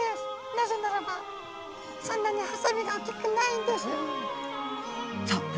なぜならばそんなにハサミが大きくないんです」。